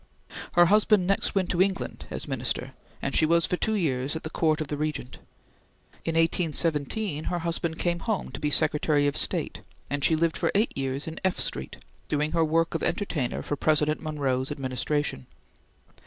Her husband next went to England as Minister, and she was for two years at the Court of the Regent. In 1817 her husband came home to be Secretary of State, and she lived for eight years in F Street, doing her work of entertainer for President Monroe's administration.